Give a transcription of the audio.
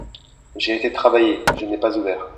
J'ai été travailler, je n'ai pas ouvert.